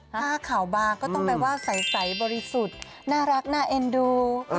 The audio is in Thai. ถ้าข่าวบางก็ต้องแปลว่าใสบริสุทธิ์น่ารักน่าเอ็นดู